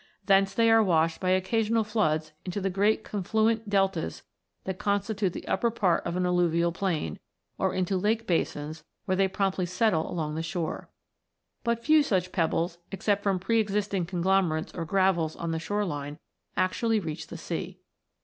Thence they are washed by occasional floods into the great confluent deltas that constitute the upper part of an alluvial plain, or into lake basins, where they promptly settle along the shore. But few such pebbles, except from pre existing con glomerates or gravels on the shore line, actually reach the sea.